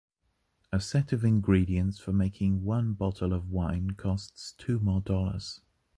A set of ingredients for making one bottle of wine cost two more dollars.